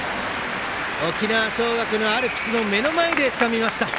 沖縄尚学のアルプスの目の前でつかみました！